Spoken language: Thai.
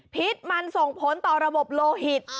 พิษมันส่งผลต่อระบบโลหิต